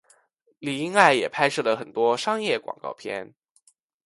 李英爱也拍摄了很多商业广告片。